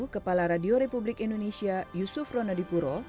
kepala radio republik indonesia yusuf ronaldi puro